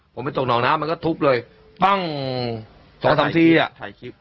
ผมไปตกหนองน้ำมันก็ทุบเลยปั้งสองสามทีอ่ะถ่ายคลิป